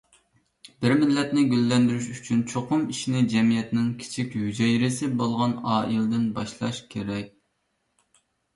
بىر مىللەتنى گۈللەندۈرۈش ئۈچۈن چوقۇم ئىشنى جەمئىيەتنىڭ كىچىك ھۈجەيرىسى بولغان ئائىلىدىن باشلاش كېرەك.